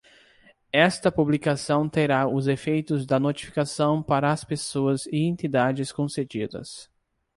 Esta publicação terá os efeitos da notificação para as pessoas e entidades concedidas.